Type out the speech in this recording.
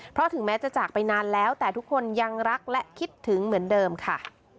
เพราะถึงแม้จะจากไปนานแล้วแต่ทุกคนยังรักและคิดถึงเหมือนเดิมค่ะ